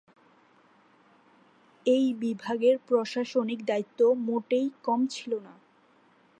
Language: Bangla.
এই বিভাগের প্রশাসনিক দায়িত্ব মোটেই কম ছিল না।